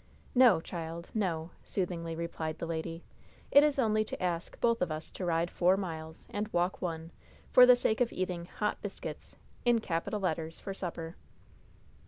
"No, child, no," soothingly replied the lady. "It is only to ask us both to ride four miles, and walk one, for the sake of eating 'Hot Biscuits,' in capital letters, for supper."